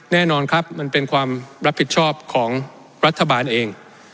แน่นอนครับมันเป็นความรับผิดชอบของรัฐบาลเอง